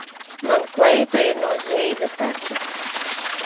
Man kleita ir no zīda taču.